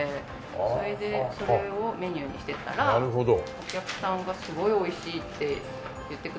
それでそれをメニューにしてたらお客さんが「すごい美味しい」って言ってくださったので。